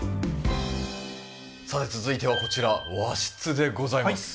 さて続いてはこちら和室でございます。